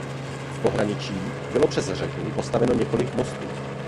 V pohraničí bylo přes řeku postaveno několik mostů.